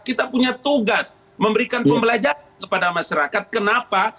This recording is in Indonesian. kita punya tugas memberikan pembelajaran kepada masyarakat kenapa